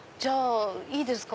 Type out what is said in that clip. いいですか？